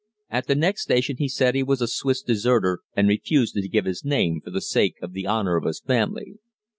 At the next station he said he was a Swiss deserter, and refused to give his name for the sake of the honor of his family.